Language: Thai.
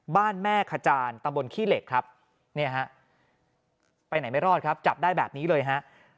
บ้านแม่ขจานตำบลขี้เหล็กครับเนี่ยฮะไปไหนไม่รอดครับจับได้แบบนี้เลยฮะ